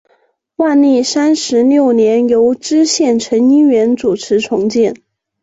万历三十六年由知县陈一元主持重建。